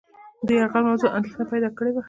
د یرغل موضوع اندېښنه پیدا کړې وه.